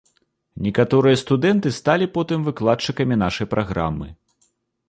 Некаторыя студэнты сталі потым выкладчыкамі нашай праграмы.